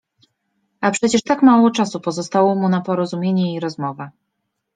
A przecież tak mało czasu pozostało mu na porozumienie i rozmowę.